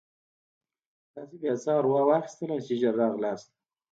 تاسې بیا څه اورا واخیستلاست چې ژر راغلاست.